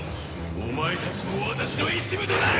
お前たちも私の一部となれ！